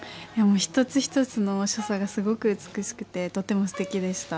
一つ一つの所作がすごく美しくて、とてもすてきでした。